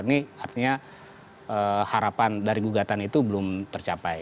ini artinya harapan dari gugatan itu belum tercapai